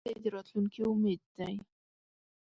لمسی د راتلونکي امید دی.